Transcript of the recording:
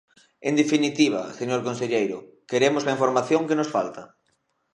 En definitiva, señor conselleiro, queremos a información que nos falta.